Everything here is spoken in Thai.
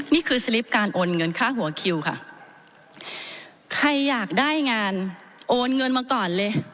นี่คือสลิปการโอนเงินค่าหัวคิวค่ะใครอยากได้งานโอนเงินมาก่อนเลย